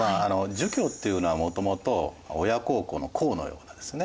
儒教っていうのはもともと親孝行の「孝」のようなですね